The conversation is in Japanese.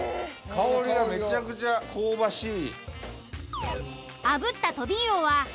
香りがめちゃくちゃ香ばしい。